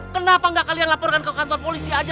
kenapa enggak kalian laporkan ke kantor polisi saja